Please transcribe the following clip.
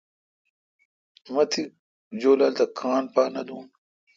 می جولال تھ کاں پا نہ دو۔